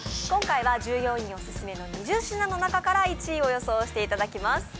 今回は従業員オススメの２０品の中から１位を予想していただきます。